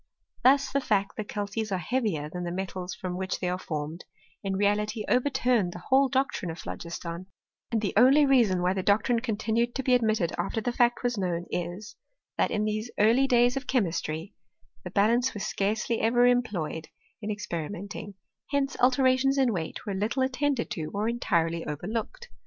Thus the fact, that calces are heavier than the metals from which they are formed, in reality overturned the whole doctrine of phlogiston; and the only reason why the doctrine continued to be admitted after the fact was known is, that in these early days of che mistry, the balance was scarcely ever employed in experimenting : hence alterations in weight were little attended to or entirely overlooked.